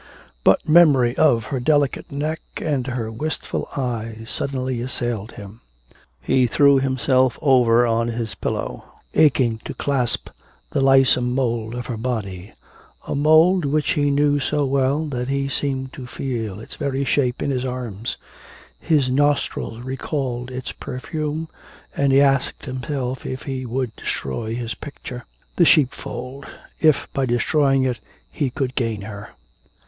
But memory of her delicate neck and her wistful eyes suddenly assailed him; he threw himself over on his pillow, aching to clasp the lissome mould of her body a mould which he knew so well that he seemed to feel its every shape in his arms; his nostrils recalled its perfume, and he asked himself if he would destroy his picture, 'The Sheepfold,' if, by destroying it, he could gain her.